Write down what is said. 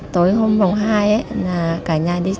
tối hôm hai cả nhà đi xe